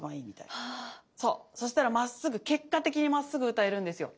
そうそしたらまっすぐ結果的にまっすぐ歌えるんですよ。